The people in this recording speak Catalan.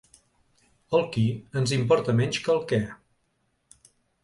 El qui ens importa menys que el què